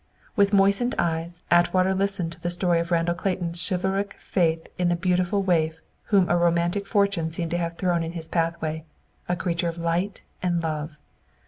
With moistened eyes, Atwater listened to the story of Randall Clayton's chivalric faith in the beautiful waif whom a romantic Fortune seemed to have thrown in his pathway, a creature of light and love.